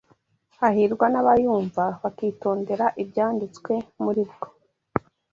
hahirwa n’abayumva, bakitondera ibyanditswe muri bwo